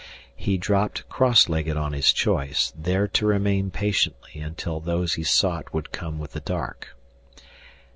He dropped cross legged on his choice, there to remain patiently until those he sought would come with the dark.